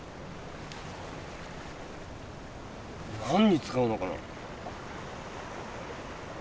何に使うのかな？